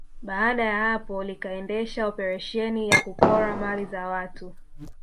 Baada ya hapo likaendesha operesheni ya kupora mali za watu